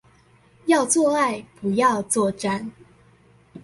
要做愛，不要作戰